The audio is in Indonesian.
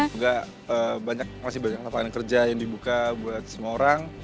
enggak masih banyak lapangan kerja yang dibuka buat semua orang